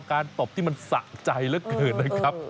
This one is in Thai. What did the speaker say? การปบที่สะใจและเขินนะครับ